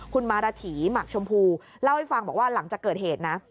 คุณมาราถีหมักชมพูเล่าให้ฟังบอกว่าหลังจากเกิดเหตุนะ